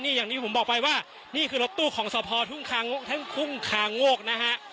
นี่อย่างนี้ผมบอกไปว่านี่คือรถตู้ของสอพอทุ่งคางกทั้งคุณคางงกนะฮะ